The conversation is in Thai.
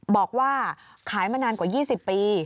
บอกว่าขายมานานกว่า๒๐ปี